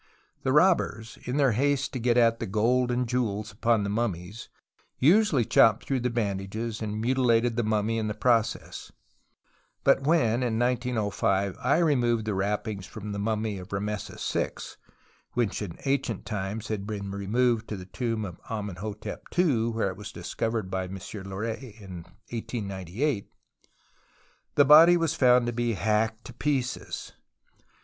The robbers, in their haste to get at tlie gold and jewels upon the mummies, usually chopped through tlie bandages, and mutilated the mummy in the process. But when, in 1905, I removed tlie wrappings from the mummy of Rameses VI (which in ancient times had been removed to the tomb of Amenhotep II, where it was discovered by M. Loret in 1898), the body was found to be hacked to pieces.